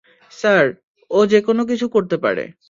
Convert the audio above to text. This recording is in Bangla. স্যার, ও যেকোন কিছু করতে পারে।